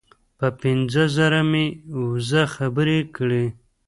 په پنځه زره مې وزه خبرې کړې.